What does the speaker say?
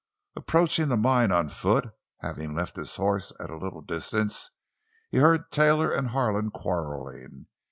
Approaching the mine on foot—having left his horse at a little distance—he heard Taylor and Harlan quarreling.